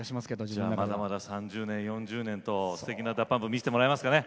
じゃあまだまだ３０年４０年とすてきなＤＡＰＵＭＰ見せてもらえますかね。